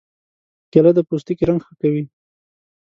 کېله د پوستکي رنګ ښه کوي.